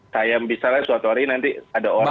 saya misalnya suatu hari nanti ada orang